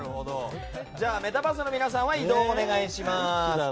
メタバースの皆さん移動をお願いします。